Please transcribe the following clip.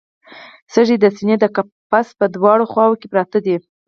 سږي د سینې د قفس په دواړو خواوو کې پراته دي